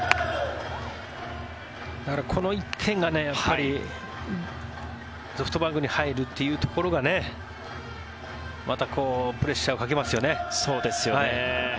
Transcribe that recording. この１点がソフトバンクに入るというところがまたプレッシャーをかけますよね。